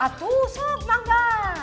atu sok manga